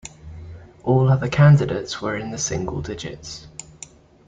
All other candidates were in the single digits.